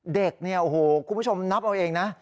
เด็กนี่คุณผู้ชมนับเอาเองนะ